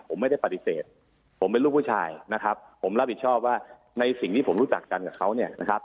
ผมไม่ได้ปฏิเสธผมเป็นลูกผู้ชายนะครับผมรับผิดชอบว่าในสิ่งที่ผมรู้จักกันกับเขาเนี่ยนะครับ